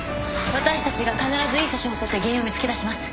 私たちが必ずいい写真を撮って原因を見つけ出します。